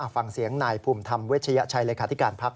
อฟังเสียงนายภูมิธรรมเวชะยะชายเรศคาทิการภักดิ์